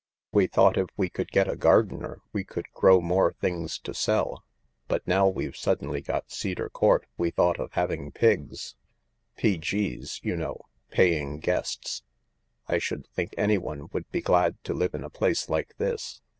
" "We thought if we could get a gardener we could grow THE LARK 178 more things to sell, but now we've suddenly got Cedar Court we thought of having Pigs — P.G.'s, you know, Paying Guests. I should think anyone would be glad to live in a place like this.